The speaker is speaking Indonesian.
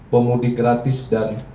pemudik gratis dan